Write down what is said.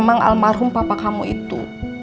emang almarhum papa kamu itu